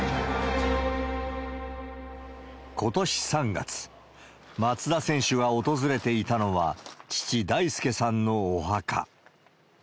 ことし３月、松田選手が訪れていたのは、父、大輔さんのお墓。